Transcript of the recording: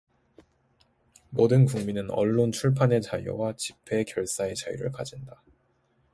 모든 국민은 언론, 출판의 자유와 집회, 결사의 자유를 가진다.